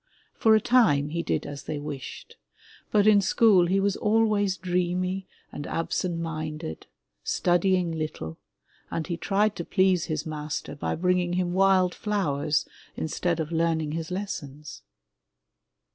For a time he did as they wished, but in school he was always dreamy and absent minded, studying little, and he tried to please his master by bringing him wild flowers instead of learning his lessons.